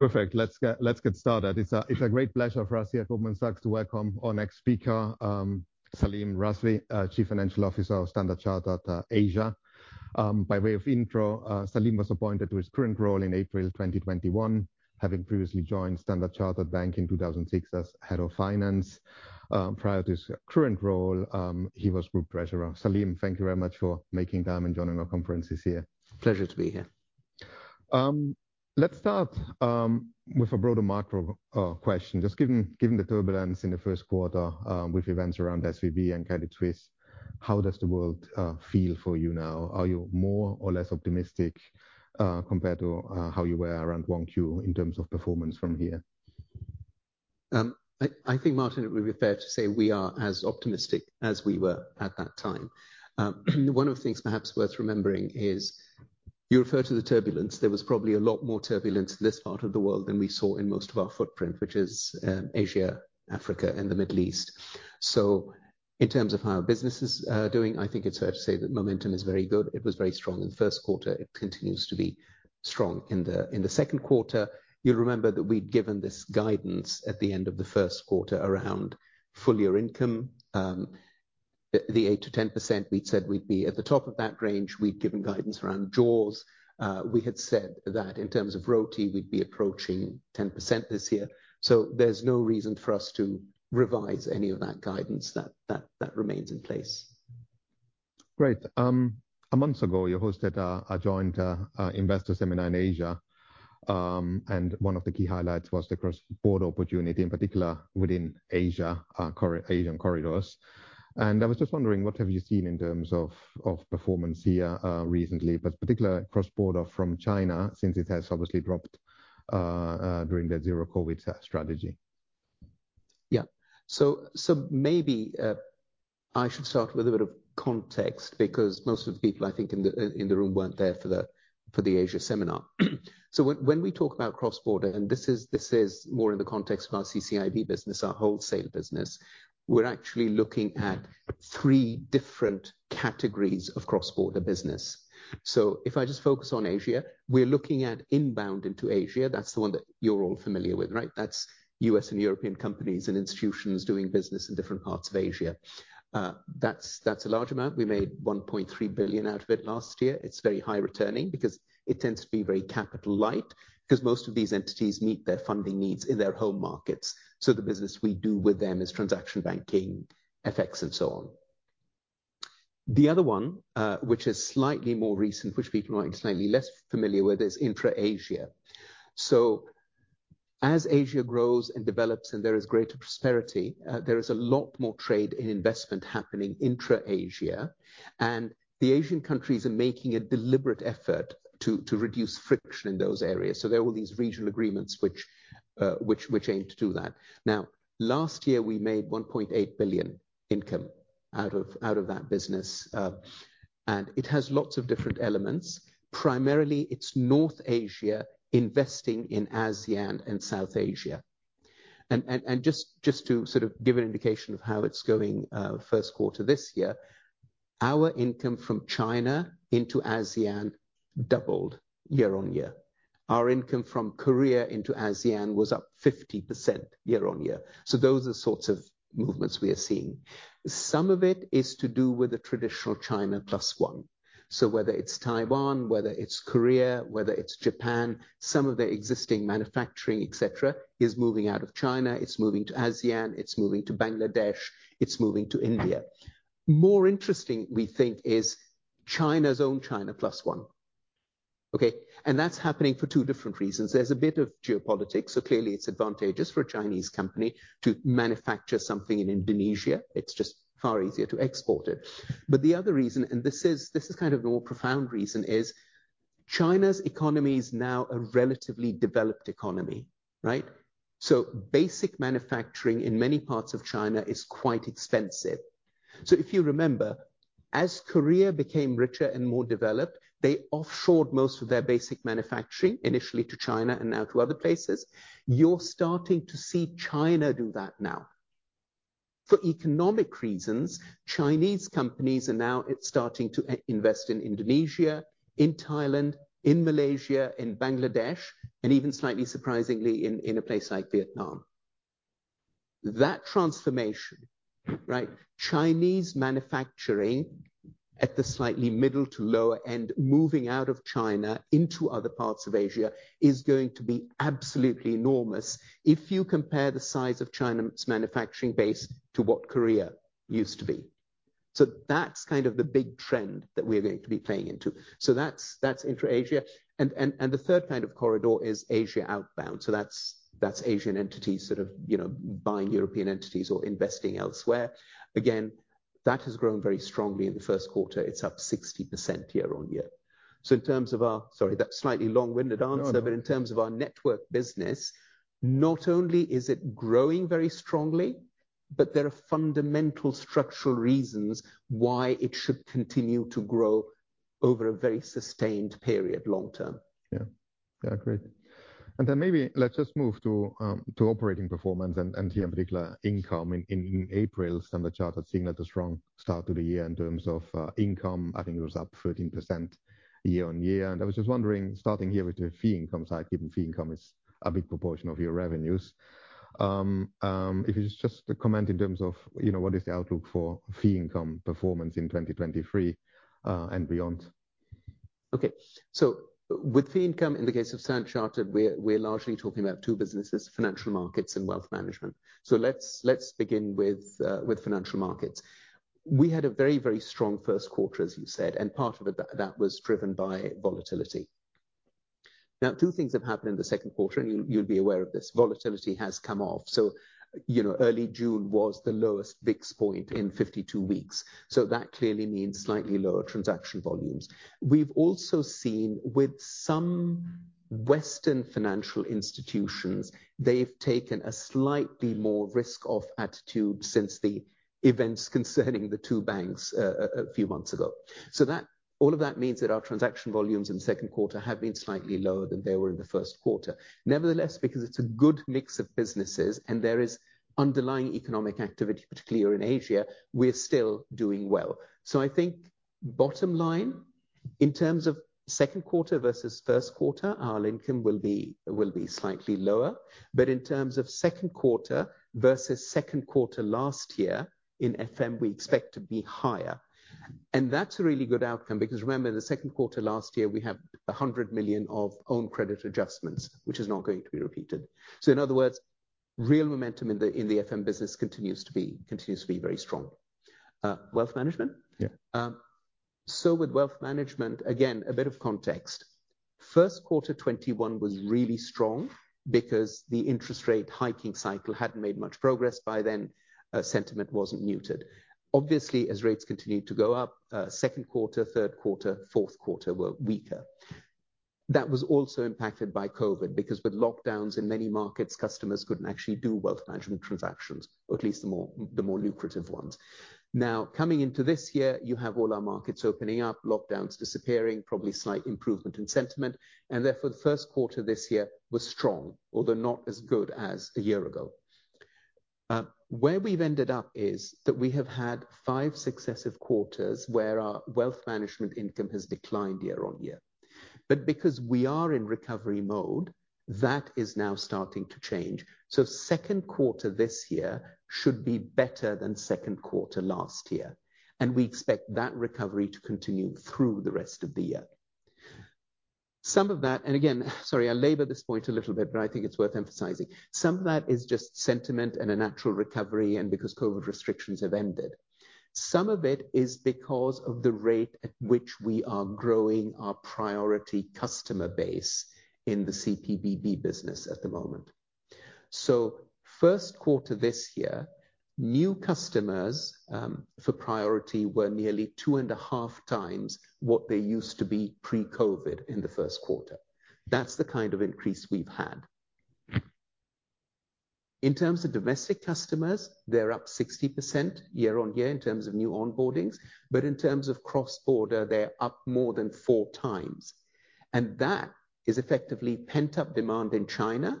Perfect. Let's get started. It's a great pleasure for us here at Goldman Sachs to welcome our next speaker, Andy Halford, Chief Financial Officer of Standard Chartered. By way of intro, Andy was appointed to his current role in April 2021, having previously joined Standard Chartered Bank in 2006 as Head of Finance. Prior to his current role, he was Group Treasurer. Andy, thank you very much for making time and joining our conference this year. Pleasure to be here. Let's start with a broader macro question. Given the turbulence in the Q1, with events around SVB and Credit Suisse, how does the world feel for you now? Are you more or less optimistic compared to how you were around one Q in terms of performance from here? I think, Martin, it would be fair to say we are as optimistic as we were at that time. One of the things perhaps worth remembering is you refer to the turbulence. There was probably a lot more turbulence in this part of the world than we saw in most of our footprint, which is, Asia, Africa, and the Middle East. In terms of how our business is doing, I think it's fair to say that momentum is very good. It was very strong in the Q1. It continues to be strong in the Q2. You'll remember that we'd given this guidance at the end of the Q1 around full year income. The 8%-10%, we'd said we'd be at the top of that range. We'd given guidance around jaws. We had said that in terms of ROTE, we'd be approaching 10% this year. There's no reason for us to revise any of that guidance, that remains in place. Great. A month ago, you hosted a joint investor seminar in Asia, one of the key highlights was the cross-border opportunity, in particular within Asia, Asian corridors. I was just wondering, what have you seen in terms of performance here recently, but particularly cross-border from China, since it has obviously dropped during the Zero-Covid strategy? Yeah. Maybe I should start with a bit of context, because most of the people, I think, in the room weren't there for the Asia seminar. When we talk about cross-border, and this is more in the context of our CCIB business, our wholesale business, we're actually looking at three different categories of cross-border business. If I just focus on Asia, we're looking at inbound into Asia. That's the one that you're all familiar with, right? That's U.S. and European companies and institutions doing business in different parts of Asia. That's a large amount. We made $1.3 billion out of it last year. It's very high returning because it tends to be very capital light, because most of these entities meet their funding needs in their home markets. The business we do with them is transaction banking, FX, and so on. The other one, which is slightly more recent, which people are slightly less familiar with, is intra-Asia. As Asia grows and develops and there is greater prosperity, there is a lot more trade and investment happening intra-Asia, and the Asian countries are making a deliberate effort to reduce friction in those areas. There are all these regional agreements which aim to do that. Last year we made $1.8 billion income out of that business, and it has lots of different elements. Primarily, it's North Asia investing in ASEAN and South Asia. Just to sort of give an indication of how it's going, Q1 this year, our income from China into ASEAN doubled year-on-year. Our income from Korea into ASEAN was up 50% year-on-year. Those are the sorts of movements we are seeing. Some of it is to do with the traditional China Plus One. Whether it's Taiwan, whether it's Korea, whether it's Japan, some of their existing manufacturing, et cetera, is moving out of China, it's moving to ASEAN, it's moving to Bangladesh, it's moving to India. More interesting, we think, is China's own China Plus One. Okay? That's happening for two different reasons. There's a bit of geopolitics. Clearly it's advantageous for a Chinese company to manufacture something in Indonesia. It's just far easier to export it. The other reason, and this is kind of the more profound reason, is China's economy is now a relatively developed economy, right? Basic manufacturing in many parts of China is quite expensive. If you remember, as Korea became richer and more developed, they offshored most of their basic manufacturing, initially to China and now to other places. You're starting to see China do that now. For economic reasons, Chinese companies are now starting to invest in Indonesia, in Thailand, in Malaysia, in Bangladesh, and even slightly surprisingly, in a place like Vietnam. That transformation, right? Chinese manufacturing at the slightly middle to lower end, moving out of China into other parts of Asia, is going to be absolutely enormous if you compare the size of China's manufacturing base to what Korea used to be. That's kind of the big trend that we're going to be playing into. That's, that's intra-Asia. The third kind of corridor is Asia outbound. That's, that's Asian entities sort of, you know, buying European entities or investing elsewhere. That has grown very strongly in the Q1. It's up 60% year-on-year. Sorry, that's slightly long-winded answer. No. In terms of our network business, not only is it growing very strongly, but there are fundamental structural reasons why it should continue to grow over a very sustained period, long term. Yeah. Yeah, great. Maybe let's just move to operating performance and in particular income. In April, Standard Chartered signaled a strong start to the year in terms of income. I think it was up 13% year-over-year, and I was just wondering, starting here with the fee income side, given fee income is a big proportion of your revenues. If you could just comment in terms of, you know, what is the outlook for fee income performance in 2023 and beyond? Okay. With fee income, in the case of Standard Chartered, we're largely talking about two businesses: financial markets and wealth management. Let's begin with financial markets. We had a very strong Q1, as you said, and part of it, that was driven by volatility. Now, two things have happened in the Q2, and you'll be aware of this: volatility has come off. You know, early June was the lowest VIX point in 52 weeks, so that clearly means slightly lower transaction volumes. We've also seen with some Western financial institutions, they've taken a slightly more risk-off attitude since the events concerning the two banks a few months ago. All of that means that our transaction volumes in the Q2 have been slightly lower than they were in the Q1. Because it's a good mix of businesses and there is underlying economic activity, particularly here in Asia, we're still doing well. I think bottom line, in terms of Q2 versus Q1, our income will be slightly lower, but in terms of Q2 versus Q2 last year, in FM, we expect to be higher. That's a really good outcome, because remember, in the Q2 last year, we have $100 million of own credit adjustments, which is not going to be repeated. In other words, real momentum in the FM business continues to be very strong. Wealth management? With wealth management, again, a bit of context. Q1 21 was really strong because the interest rate hiking cycle hadn't made much progress by then, sentiment wasn't muted. Obviously, as rates continued to go up, Q2, Q3, Q4 were weaker. That was also impacted by COVID, because with lockdowns in many markets, customers couldn't actually do wealth management transactions, or at least the more, the more lucrative ones. Coming into this year, you have all our markets opening up, lockdowns disappearing, probably slight improvement in sentiment, and therefore the 1st quarter this year was strong, although not as good as a year ago. Where we've ended up is that we have had five successive quarters where our wealth management income has declined year-on-year. Because we are in recovery mode, that is now starting to change. Q2 this year should be better than Q2 last year, and we expect that recovery to continue through the rest of the year. Some of that, and again, sorry, I labor this point a little bit, but I think it's worth emphasizing. Some of that is just sentiment and a natural recovery, and because COVID restrictions have ended. Some of it is because of the rate at which we are growing our priority customer base in the CPBB business at the moment. Q1 this year, new customers for priority, were nearly 2.5x what they used to be pre-COVID in the Q1. That's the kind of increase we've had. In terms of domestic customers, they're up 60% year-on-year in terms of new onboardings, but in terms of cross-border, they're up more than four times. That is effectively pent-up demand in China.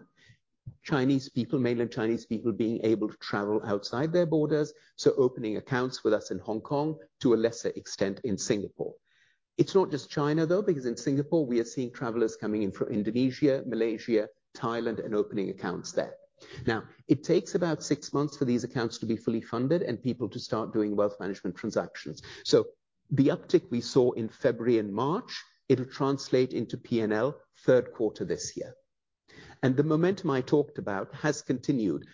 Chinese people, mainland Chinese people, being able to travel outside their borders, so opening accounts with us in Hong Kong, to a lesser extent, in Singapore. It's not just China, though, because in Singapore, we are seeing travelers coming in from Indonesia, Malaysia, Thailand, and opening accounts there. It takes about six months for these accounts to be fully funded and people to start doing wealth management transactions. The uptick we saw in February and March, it'll translate into PNL Q3 this year. The momentum I talked about has continued.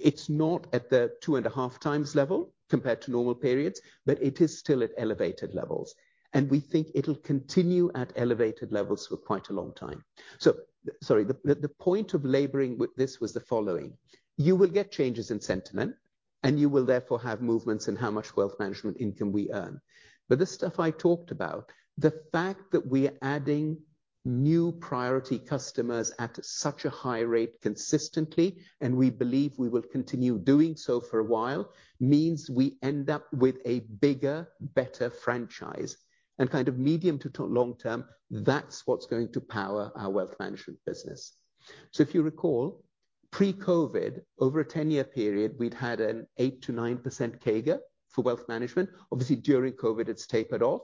It's not at the 2.5x level compared to normal periods, but it is still at elevated levels, and we think it'll continue at elevated levels for quite a long time. Sorry, the point of laboring with this was the following: you will get changes in sentiment, and you will therefore have movements in how much wealth management income we earn. This stuff I talked about, the fact that we are adding new priority customers at such a high rate consistently, and we believe we will continue doing so for a while, means we end up with a bigger, better franchise. Kind of medium to long term, that's what's going to power our wealth management business. If you recall, pre-COVID, over a 10-year period, we'd had an 8%-9% CAGR for wealth management. Obviously, during COVID, it's tapered off.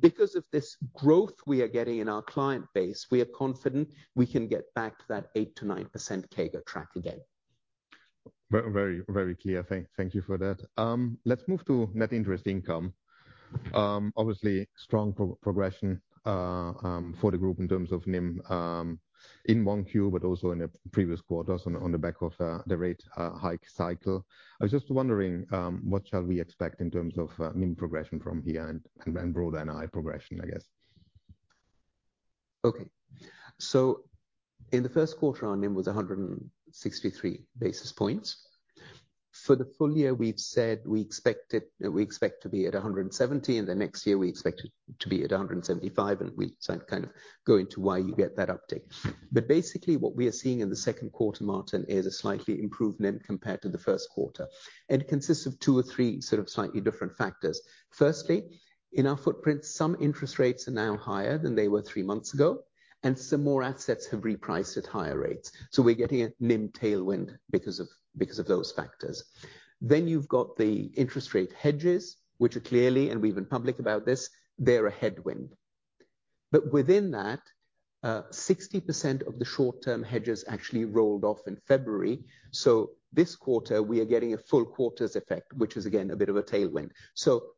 Because of this growth we are getting in our client base, we are confident we can get back to that 8%-9% CAGR track again. Very, very clear. Thank you for that. Let's move to net interest income. Obviously strong progression for the group in terms of NIM in 1Q, but also in the previous quarters on the back of the rate hike cycle. I was just wondering what shall we expect in terms of NIM progression from here and broader NII progression, I guess? In the Q1, our NIM was 163 basis points. For the full year, we've said we expect to be at 170, and the next year we expect it to be at 175, and we kind of go into why you get that uptick. Basically, what we are seeing in the Q2, Martin, is a slightly improvement compared to the Q1, and consists of two or three sort of slightly different factors. Firstly, in our footprint, some interest rates are now higher than they were three months ago, and some more assets have repriced at higher rates. We're getting a NIM tailwind because of those factors. You've got the interest rate hedges, which are clearly, and we've been public about this, they're a headwind. Within that, 60% of the short-term hedges actually rolled off in February. This quarter we are getting a full quarter's effect, which is, again, a bit of a tailwind.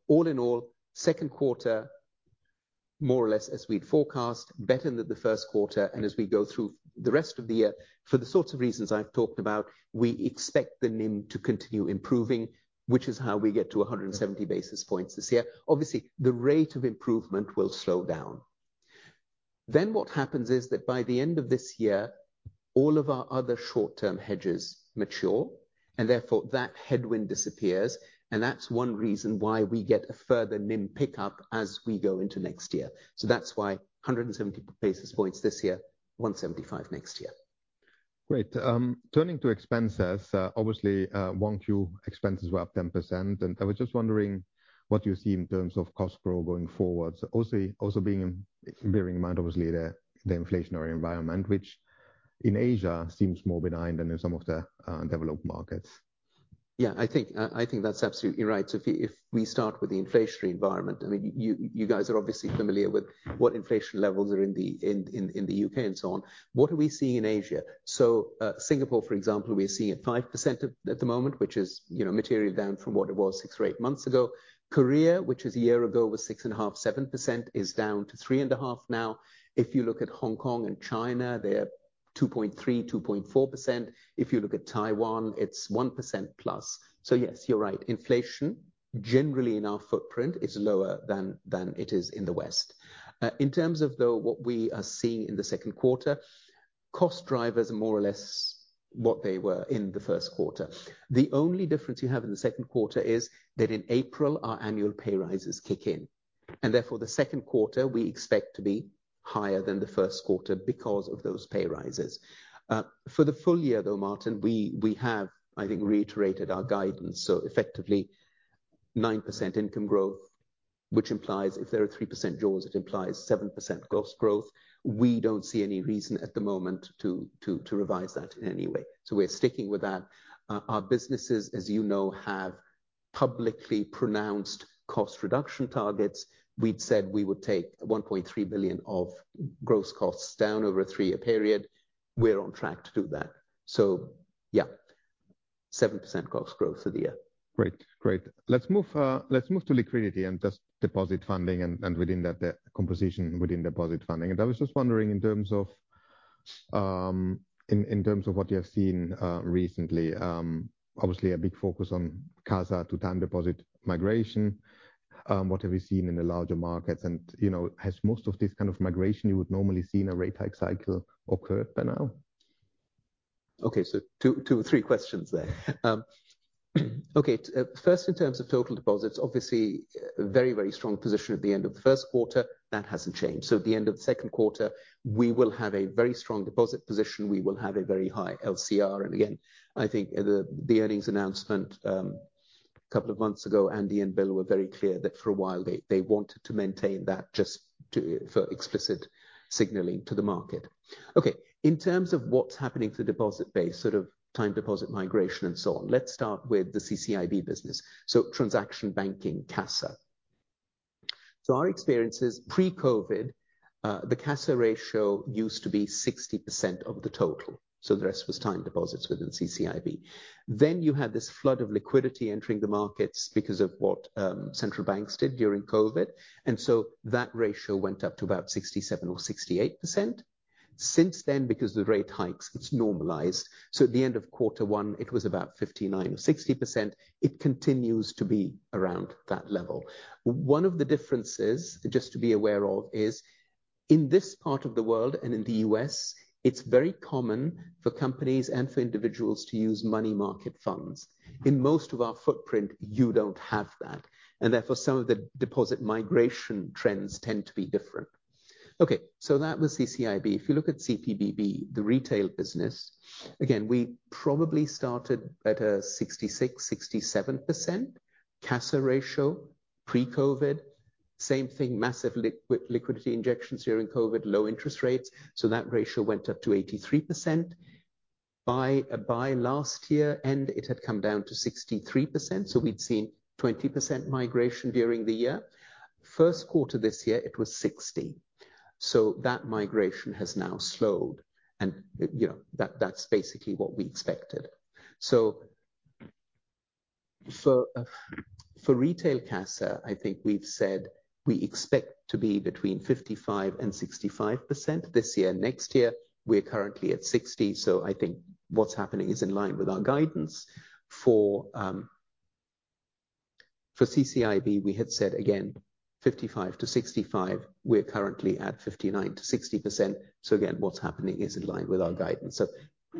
All in all, Q2, more or less as we'd forecast, better than the Q1. As we go through the rest of the year, for the sorts of reasons I've talked about, we expect the NIM to continue improving, which is how we get to 170 basis points this year. Obviously, the rate of improvement will slow down. What happens is that by the end of this year, all of our other short-term hedges mature, and therefore that headwind disappears. That's one reason why we get a further NIM pickup as we go into next year. That's why 170 basis points this year, 175 next year. Great. Turning to expenses, obviously, 1Q expenses were up 10%. I was just wondering what you see in terms of cost growth going forward, also bearing in mind, obviously, the inflationary environment, which in Asia seems more benign than in some of the developed markets? Yeah, I think that's absolutely right. If we start with the inflationary environment, I mean, you guys are obviously familiar with what inflation levels are in the U.K. and so on. What are we seeing in Asia? Singapore, for example, we are seeing 5% at the moment, which is, you know, materially down from what it was 6 or 8 months ago. Korea, which is 1 year ago, was 6.5% to 7%, is down to 3.5% now. If you look at Hong Kong and China, they're 2.3% to 2.4%. If you look at Taiwan, it's 1% plus. Yes, you're right. Inflation, generally in our footprint, is lower than it is in the West. In terms of though, what we are seeing in the Q2, cost drivers are more or less what they were in the Q1. The only difference you have in the Q2 is that in April, our annual pay rises kick in. Therefore the Q2 we expect to be higher than the Q1 because of those pay rises. For the full year though, Martin, we have, I think, reiterated our guidance. Effectively 9% income growth, which implies if there are 3% jaws, it implies 7% cost growth. We don't see any reason at the moment to revise that in any way, so we're sticking with that. Our businesses, as you know, have publicly pronounced cost reduction targets. We'd said we would take $1.3 billion of gross costs down over a three-year period. We're on track to do that. Yeah, 7% cost growth for the year. Great. Let's move to liquidity and just deposit funding, and within that, the composition within deposit funding. I was just wondering in terms of what you have seen recently, obviously a big focus on CASA to time deposit migration. What have you seen in the larger markets? You know, has most of this kind of migration you would normally see in a rate hike cycle occurred by now? Okay, two or three questions there. Okay, first in terms of total deposits, obviously very, very strong position at the end of the Q1. That hasn't changed. At the end of the Q2, we will have a very strong deposit position. We will have a very high LCR. Again, I think the earnings announcement, a couple of months ago, Andy and Bill were very clear that for a while they wanted to maintain that for explicit signaling to the market. Okay, in terms of what's happening to the deposit base, sort of time deposit migration and so on, let's start with the CCIB business, so transaction banking CASA. Our experience is pre-COVID, the CASA ratio used to be 60% of the total, so the rest was time deposits within CCIB. You had this flood of liquidity entering the markets because of what central banks did during COVID, and so that ratio went up to about 67% or 68%. Since then, because of the rate hikes, it's normalized, so at the end of quarter one, it was about 59% or 60%. It continues to be around that level. One of the differences, just to be aware of, is in this part of the world and in the U.S., it's very common for companies and for individuals to use money market funds. In most of our footprint, you don't have that, and therefore some of the deposit migration trends tend to be different. Okay, that was CCIB. If you look at CPBB, the retail business, again, we probably started at a 66%, 67% CASA ratio pre-COVID. Same thing, massive liquidity injections during COVID, low interest rates, that ratio went up to 83%. By last year, it had come down to 63%, we'd seen 20% migration during the year. Q1 this year, it was 60%, that migration has now slowed, and you know, that's basically what we expected. For retail CASA, I think we've said we expect to be between 55% and 65% this year. Next year, we're currently at 60%, I think what's happening is in line with our guidance. For CCIB, we had said again, 55%-65%. We're currently at 59%-60%. Again, what's happening is in line with our guidance.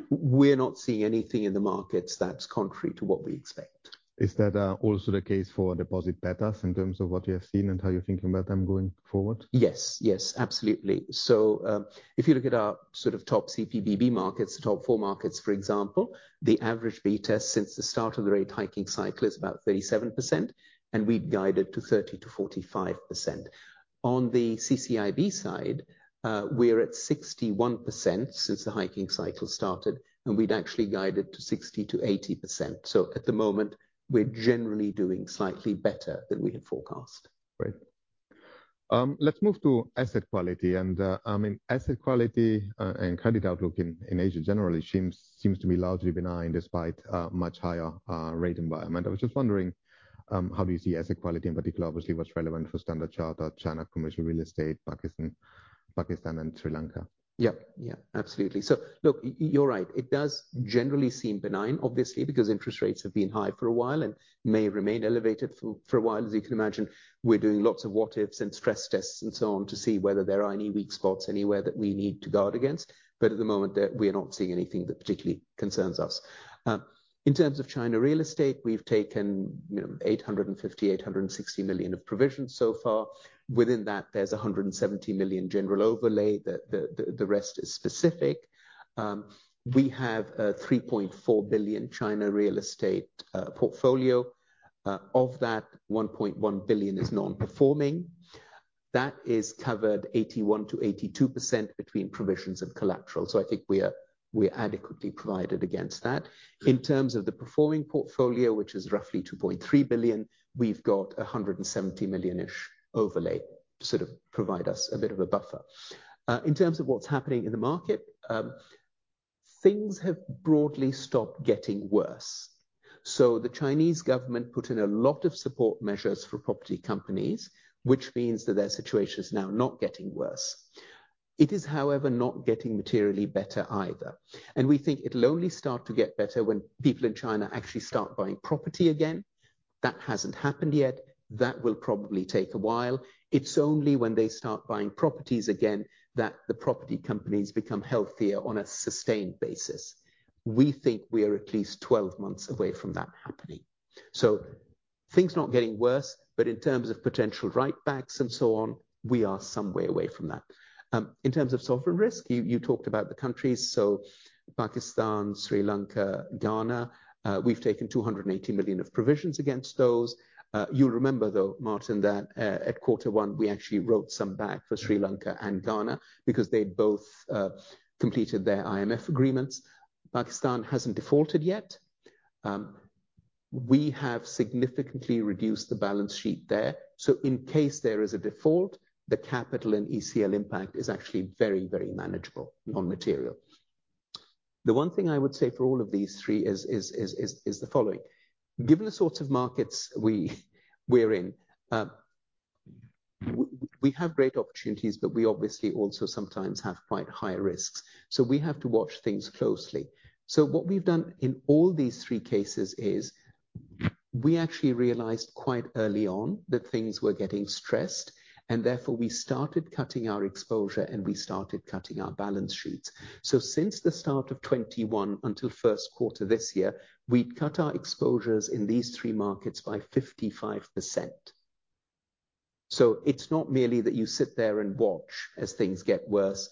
We're not seeing anything in the markets that's contrary to what we expect. Is that also the case for deposit betas in terms of what you have seen and how you're thinking about them going forward? Yes, yes, absolutely. If you look at our sort of top CPBB markets, the top four markets, for example, the average beta since the start of the rate hiking cycle is about 37%, and we'd guided to 30% to 45%. On the CCIB side, we're at 61% since the hiking cycle started, and we'd actually guided to 60% to 80%. At the moment, we're generally doing slightly better than we had forecast. Great. Let's move to asset quality and, I mean, asset quality and credit outlook in Asia generally seems to be largely benign, despite much higher rate environment. I was just wondering, how do you see asset quality in particular? Obviously, what's relevant for Standard Chartered, China, commercial real estate, Pakistan, and Sri Lanka. Yeah, absolutely. Look, you're right. It does generally seem benign, obviously, because interest rates have been high for a while and may remain elevated for a while. As you can imagine, we're doing lots of what-ifs and stress tests and so on, to see whether there are any weak spots anywhere that we need to guard against. At the moment, we are not seeing anything that particularly concerns us. In terms of China real estate, we've taken, you know, $850 to 860 million of provisions so far. Within that, there's a $170 million general overlay. The rest is specific. We have a $3.4 billion China real estate portfolio. Of that, $1.1 billion is non-performing. That is covered 81% to 82% between provisions and collateral. I think we're adequately provided against that. In terms of the performing portfolio, which is roughly $2.3 billion, we've got a $170 million-ish overlay to sort of provide us a bit of a buffer. In terms of what's happening in the market, things have broadly stopped getting worse. The Chinese government put in a lot of support measures for property companies, which means that their situation is now not getting worse. It is, however, not getting materially better either, and we think it'll only start to get better when people in China actually start buying property again. That hasn't happened yet. That will probably take a while. It's only when they start buying properties again that the property companies become healthier on a sustained basis. We think we are at least 12 months away from that happening. Things not getting worse, but in terms of potential write backs and so on, we are some way away from that. In terms of sovereign risk, you talked about the countries, so Pakistan, Sri Lanka, Ghana. We've taken $280 million of provisions against those. You'll remember though, Martin, that at quarter one, we actually wrote some back for Sri Lanka and Ghana because they both completed their IMF agreements. Pakistan hasn't defaulted yet. We have significantly reduced the balance sheet there. In case there is a default, the capital and ECL impact is actually very, very manageable, non-material. The one thing I would say for all of these three is the following: given the sorts of markets we're in, we have great opportunities, but we obviously also sometimes have quite high risks. We have to watch things closely. What we've done in all these three cases is we actually realized quite early on that things were getting stressed, and therefore, we started cutting our exposure, and we started cutting our balance sheets. Since the start of 21 until Q1 this year, we'd cut our exposures in these three markets by 55%. It's not merely that you sit there and watch as things get worse.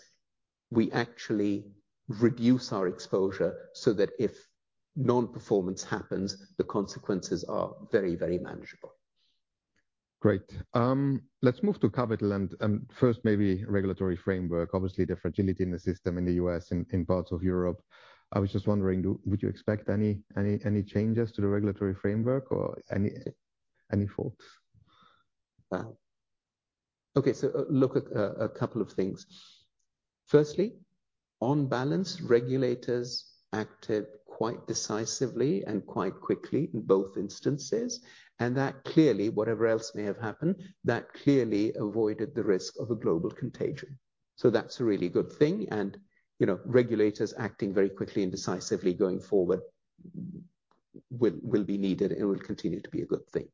We actually reduce our exposure so that if non-performance happens, the consequences are very, very manageable. Let's move to capital and first, maybe regulatory framework. Obviously, the fragility in the system in the U.S. and in parts of Europe. I was just wondering, would you expect any changes to the regulatory framework or any thoughts? Wow! Okay, look at a couple of things. Firstly, on balance, regulators acted quite decisively and quite quickly in both instances, that clearly, whatever else may have happened, that clearly avoided the risk of a global contagion. That's a really good thing, you know, regulators acting very quickly and decisively going forward will be needed and will continue to be a good thing.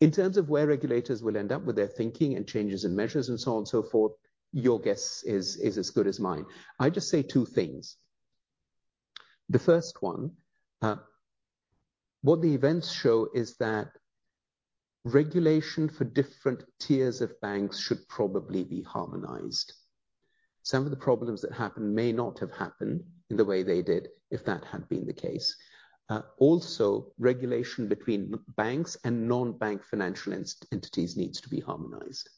In terms of where regulators will end up with their thinking and changes in measures and so on and so forth, your guess is as good as mine. I'd just say two things. The first one, what the events show is that regulation for different tiers of banks should probably be harmonized. Some of the problems that happened may not have happened in the way they did if that had been the case. Also, regulation between banks and non-bank financial entities needs to be harmonized.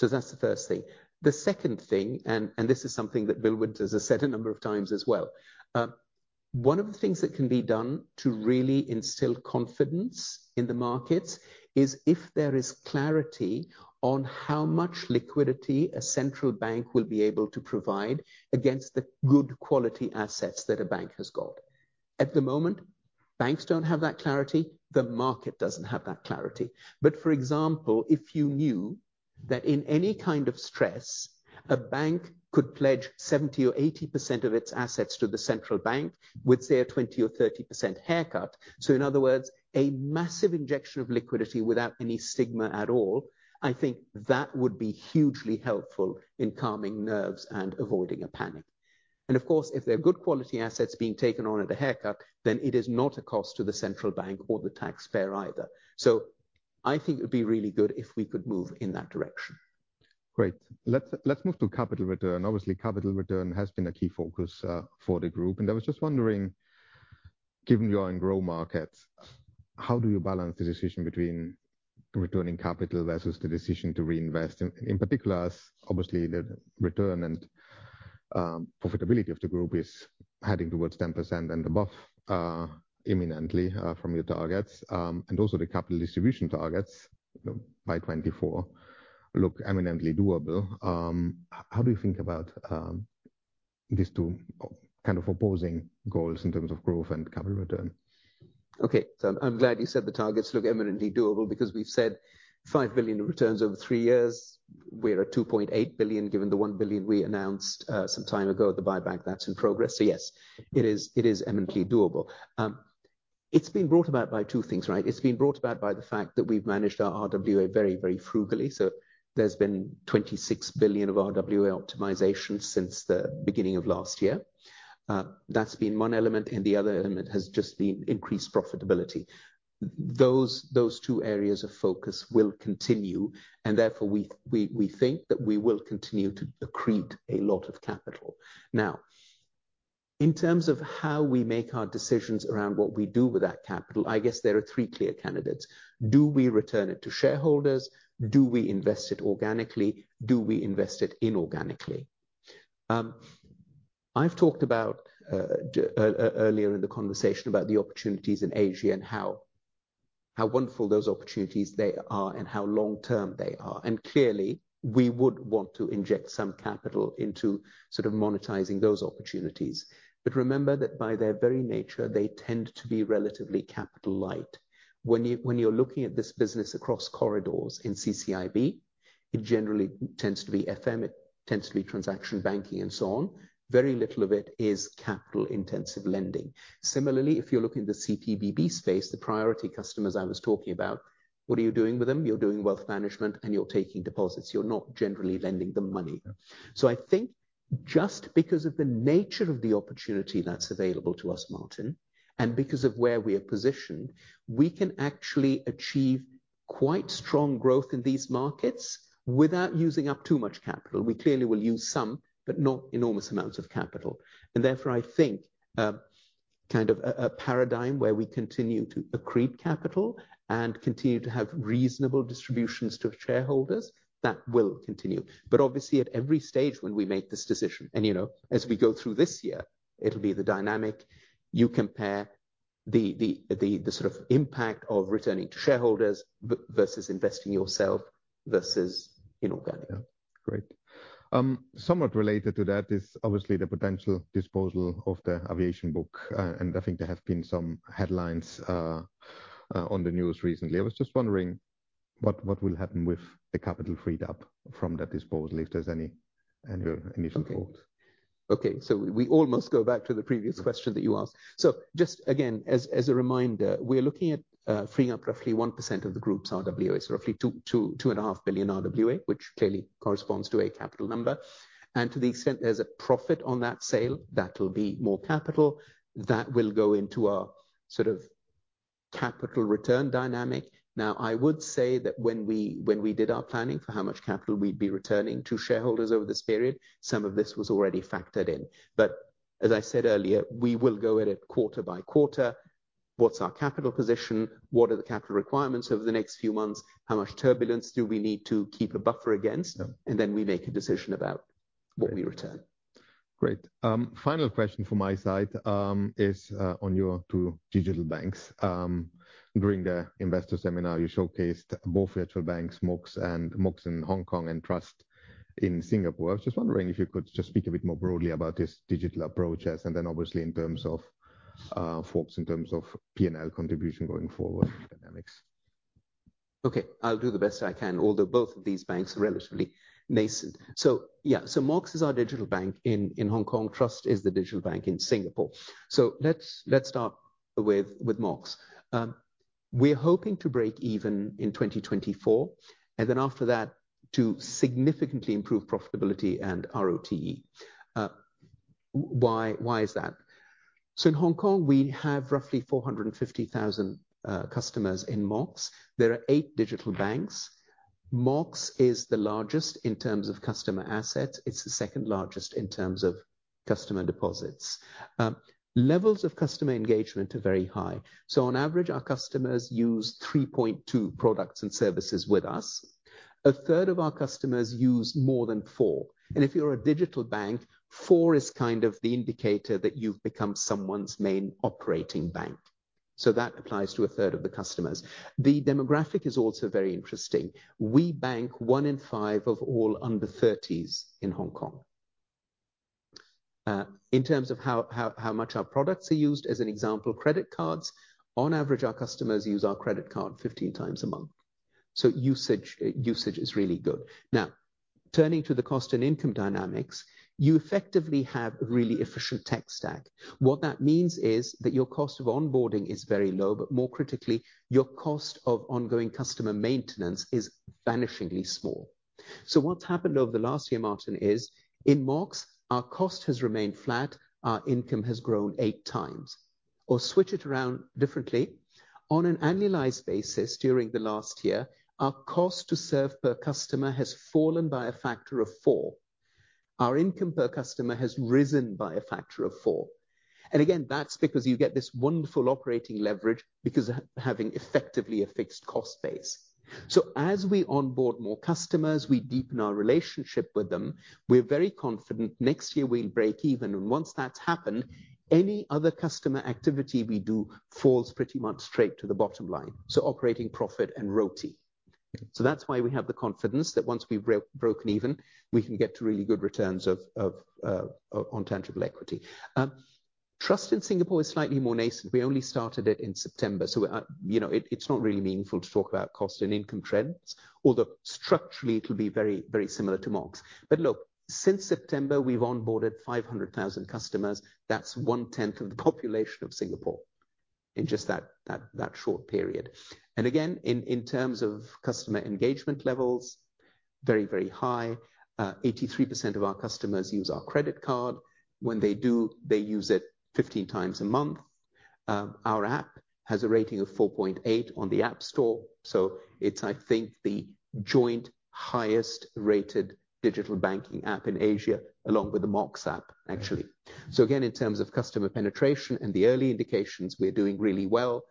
That's the first thing. The second thing, and this is something that Bill Winters has said a number of times as well. One of the things that can be done to really instill confidence in the markets is if there is clarity on how much liquidity a central bank will be able to provide against the good quality assets that a bank has got. At the moment, banks don't have that clarity. The market doesn't have that clarity. For example, if you knew that in any kind of stress, a bank could pledge 70% or 80% of its assets to the central bank with, say, a 20% or 30% haircut. In other words, a massive injection of liquidity without any stigma at all, I think that would be hugely helpful in calming nerves and avoiding a panic. Of course, if there are good quality assets being taken on at a haircut, then it is not a cost to the central bank or the taxpayer either. I think it would be really good if we could move in that direction. Great. Let's move to capital return. Obviously, capital return has been a key focus for the group, and I was just wondering given you are in grow markets, how do you balance the decision between returning capital versus the decision to reinvest? In particular, obviously, the return and profitability of the group is heading towards 10% and above imminently from your targets. Also the capital distribution targets, you know, by 2024 look eminently doable. How do you think about these two kind of opposing goals in terms of growth and capital return? I'm glad you said the targets look eminently doable, because we've said $5 billion returns over three years. We're at $2.8 billion, given the $1 billion we announced some time ago at the buyback that's in progress. Yes, it is eminently doable. It's been brought about by two things, right? It's been brought about by the fact that we've managed our RWA very, very frugally. There's been $26 billion of RWA optimization since the beginning of last year. That's been one element, and the other element has just been increased profitability. Those two areas of focus will continue, therefore, we think that we will continue to accrete a lot of capital. In terms of how we make our decisions around what we do with that capital, I guess there are three clear candidates. Do we return it to shareholders? Do we invest it organically? Do we invest it inorganically? I've talked about earlier in the conversation about the opportunities in Asia and how wonderful those opportunities they are and how long-term they are. Clearly, we would want to inject some capital into sort of monetizing those opportunities. Remember that by their very nature, they tend to be relatively capital light. When you, when you're looking at this business across corridors in CCIB, it generally tends to be FM, it tends to be transaction banking and so on. Very little of it is capital-intensive lending. Similarly, if you're looking at the CPBB space, the priority customers I was talking about, what are you doing with them? You're doing wealth management, and you're taking deposits. You're not generally lending them money. Yeah. I think just because of the nature of the opportunity that's available to us, Martin, and because of where we are positioned, we can actually achieve quite strong growth in these markets without using up too much capital. We clearly will use some, but not enormous amounts of capital. Therefore, I think, kind of a paradigm where we continue to accrete capital and continue to have reasonable distributions to shareholders, that will continue. Obviously, at every stage when we make this decision, and, you know, as we go through this year, it'll be the dynamic. You compare the sort of impact of returning to shareholders versus investing yourself versus inorganic. Yeah. Great. Somewhat related to that is obviously the potential disposal of the aviation book. I think there have been some headlines on the news recently. I was just wondering, what will happen with the capital freed up from that disposal, if there's any initial thoughts? Okay. We almost go back to the previous question that you asked. Just again, as a reminder, we're looking at freeing up roughly 1% of the group's RWA, roughly $2.5 billion RWA, which clearly corresponds to a capital number. To the extent there's a profit on that sale, that will be more capital, that will go into our sort of capital return dynamic. I would say that when we did our planning for how much capital we'd be returning to shareholders over this period, some of this was already factored in. As I said earlier, we will go at it quarter by quarter. What's our capital position? What are the capital requirements over the next few months? How much turbulence do we need to keep a buffer against? Yeah. We make a decision about what we return. Great. Final question from my side, is on your two digital banks. During the investor seminar, you showcased both virtual banks, Mox in Hong Kong and Trust in Singapore. I was just wondering if you could just speak a bit more broadly about this digital approach, and then obviously in terms of ForEx, in terms of PNL contribution going forward, dynamics. Okay, I'll do the best I can, although both of these banks are relatively nascent. Mox is our digital bank in Hong Kong. Trust is the digital bank in Singapore. Let's start with Mox. We're hoping to break even in 2024, then after that, to significantly improve profitability and ROTE. Why is that? In Hong Kong, we have roughly 450,000 customers in Mox. There are eight digital banks. Mox is the largest in terms of customer assets. It's the second largest in terms of customer deposits. Levels of customer engagement are very high. On average, our customers use 3.2 products and services with us. A third of our customers use more than four. If you're a digital bank, four is kind of the indicator that you've become someone's main operating bank. That applies to a third of the customers. The demographic is also very interesting. We bank one in five of all under 30s in Hong Kong. In terms of how much our products are used, as an example, credit cards. On average, our customers use our credit card 15 times a month. Usage is really good. Now, turning to the cost and income dynamics, you effectively have a really efficient tech stack. What that means is that your cost of onboarding is very low, but more critically, your cost of ongoing customer maintenance is vanishingly small. What's happened over the last year, Martin, is in Mox, our cost has remained flat, our income has grown 8 times. Switch it around differently, on an annualized basis during the last year, our cost to serve per customer has fallen by a factor of four. Our income per customer has risen by a factor of four. Again, that's because you get this wonderful operating leverage because of having effectively a fixed cost base. As we onboard more customers, we deepen our relationship with them. We're very confident next year we'll break even, and once that's happened, any other customer activity we do falls pretty much straight to the bottom line, so operating profit and ROTI. That's why we have the confidence that once we've broken even, we can get to really good returns of on tangible equity. Trust in Singapore is slightly more nascent. We only started it in September, you know, it's not really meaningful to talk about cost and income trends. Although structurally it'll be very, very similar to Mox. Look, since September, we've onboarded 500,000 customers. That's 1/10 of the population of Singapore in just that short period. Again, in terms of customer engagement levels, very, very high. 83% of our customers use our credit card. When they do, they use it 15 times a month. Our app has a rating of 4.8 on the App Store, so it's, I think, the joint highest-rated digital banking app in Asia, along with the Mox app, actually. Again, in terms of customer penetration and the early indications, we're doing really well.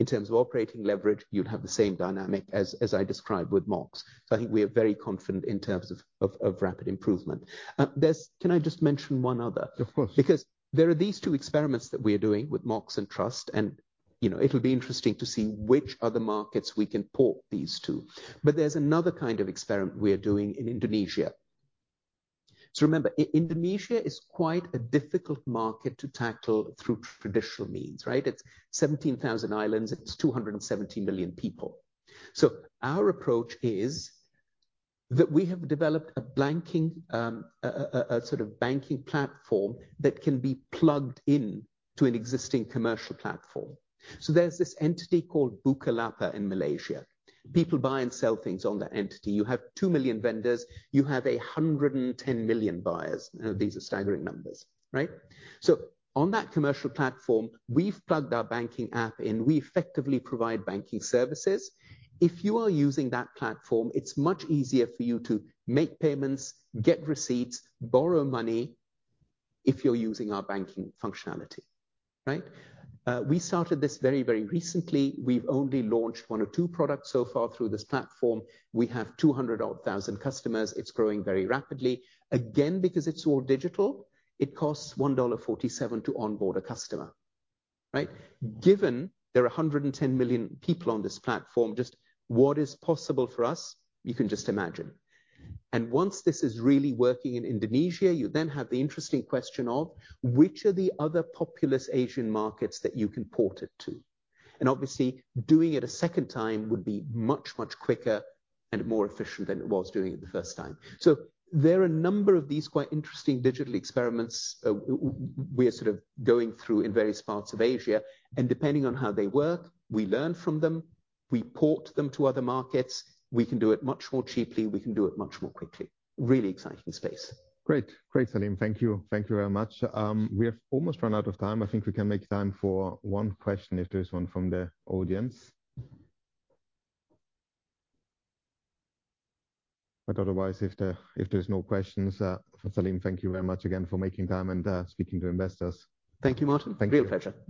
In terms of operating leverage, you'd have the same dynamic as I described with Mox. I think we are very confident in terms of rapid improvement. Can I just mention one other? Of course. There are these two experiments that we're doing with Mox and Trust, and, you know, it'll be interesting to see which other markets we can port these to. There's another kind of experiment we're doing in Indonesia. Remember, Indonesia is quite a difficult market to tackle through traditional means, right? It's 17,000 islands, and it's 217 million people. Our approach is that we have developed a nexus, a sort of banking platform that can be plugged into an existing commercial platform. There's this entity called Bukalapak in Malaysia. People buy and sell things on that entity. You have 2 million vendors, you have 110 million buyers. These are staggering numbers, right? On that commercial platform, we've plugged our banking app in. We effectively provide banking services. If you are using that platform, it's much easier for you to make payments, get receipts, borrow money, if you're using our banking functionality, right? We started this very, very recently. We've only launched 1 or 2 products so far through this platform. We have 200,000 odd customers. It's growing very rapidly. Again, because it's all digital, it costs $1.47 to onboard a customer, right? Given there are 110 million people on this platform, just what is possible for us, you can just imagine. Once this is really working in Indonesia, you then have the interesting question of: Which are the other populous Asian markets that you can port it to? Obviously, doing it a second time would be much, much quicker and more efficient than it was doing it the first time. There are a number of these quite interesting digital experiments, we are sort of going through in various parts of Asia. Depending on how they work, we learn from them, we port them to other markets. We can do it much more cheaply. We can do it much more quickly. Really exciting space. Great. Great, Andy Halford. Thank you. Thank you very much. We have almost run out of time. I think we can make time for one question if there's one from the audience. Otherwise, if there's no questions, Andy Halford, thank you very much again for making time and speaking to investors. Thank you, Martin. Thank you. Real pleasure.